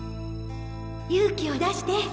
勇気を出して！